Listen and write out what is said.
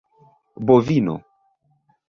bovino